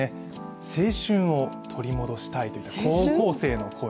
青春を取り戻したいという、高校生の声。